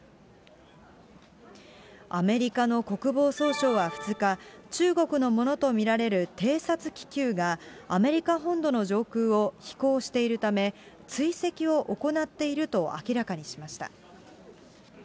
アメリカの国防総省は２日、中国のものと見られる偵察気球がアメリカ本土の上空を飛行しているため、追跡を行っていると明らかにしました。